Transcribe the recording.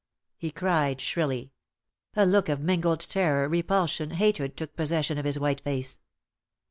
he cried, shrilly. A look of mingled terror, repulsion, hatred, took possession of his white face.